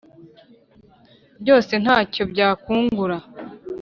byose nta cyo byakungura